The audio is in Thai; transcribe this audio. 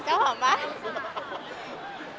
เจ้าของบ้าน